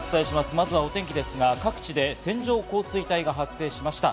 まずはお天気ですが、各地で線状降水帯が発生しました。